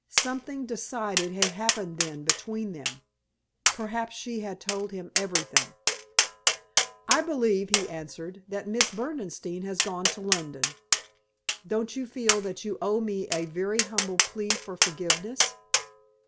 Something decided had happened then between them. Perhaps she had told him everything. "I believe," he answered, "that Miss Berdenstein has gone to London. Don't you feel that you owe me a very humble plea for forgiveness?"